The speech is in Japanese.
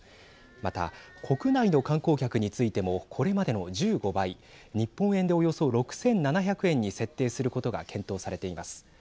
また、国内の観光客についてもこれまでの１５倍日本円で、およそ６７００円に設定することが検討されています。